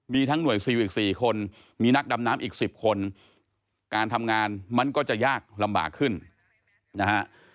มีทั้งหน่วยซิลอีก๔คนมีนักดำน้ำอีก๑๐คนการทำงานมันก็จะยากลำบากขึ้นนะฮะ